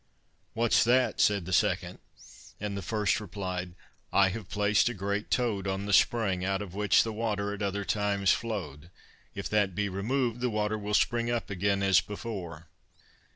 'What's that?' said the second; and the first replied: 'I have placed a great toad on the spring out of which the water at other times flowed; if that be removed, the water will spring up again as before.